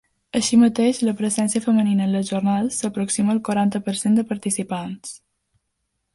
Així mateix, la presència femenina en les jornades s’aproxima al quaranta per cent de participants.